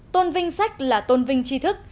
tôn vinh sách là tôn vinh chi thức